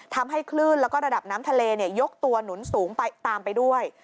ทำให้คลื่นแล้วก็ระดับน้ำทะเลยกตัวหนุนสูงไปตามไปด้วย